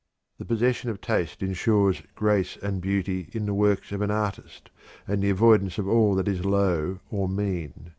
The possession of taste insures grace and beauty in the works of an artist, and the avoidance of all that is low or mean.